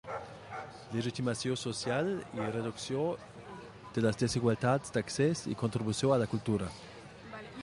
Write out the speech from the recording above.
Legitimació social i reducció de les desigualtats d'accés i contribució a la cultura.